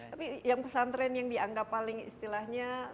tapi yang pesantren yang dianggap paling istilahnya